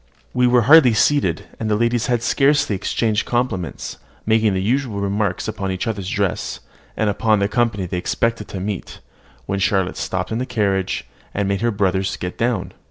We were hardly seated, and the ladies had scarcely exchanged compliments, making the usual remarks upon each other's dress, and upon the company they expected to meet, when Charlotte stopped the carriage, and made her brothers get down.